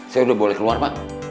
saya udah boleh keluar pak